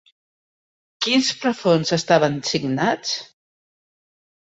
Quins plafons estaven signats?